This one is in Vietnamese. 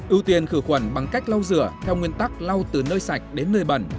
ưu tiên khử khuẩn bằng cách lau rửa theo nguyên tắc lau từ nơi sạch đến nơi bẩn